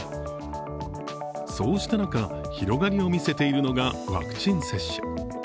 そうした中、広がりを見せているのがワクチン接種。